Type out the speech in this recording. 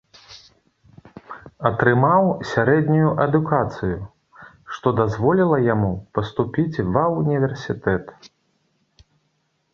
Атрымаў сярэднюю адукацыю, што дазволіла яму паступіць ва ўніверсітэт.